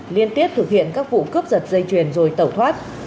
liên tiếp thực hiện các vụ cướp giật dây chuyền rồi tẩu thoát